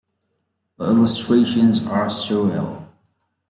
The illustrations are surreal.